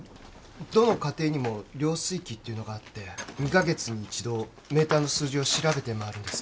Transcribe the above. どの家庭にも量水器っていうのがあって２カ月に一度メーターの数字を調べて回るんです